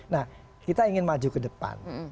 nah kita ingin maju ke depan